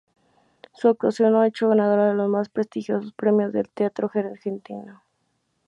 Su actuación la ha hecho ganadora de los más prestigiosos premios del teatro argentino.